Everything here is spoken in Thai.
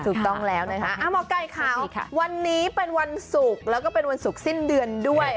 ถูกต้องแล้วนะคะหมอไก่ค่ะวันนี้เป็นวันศุกร์แล้วก็เป็นวันศุกร์สิ้นเดือนด้วย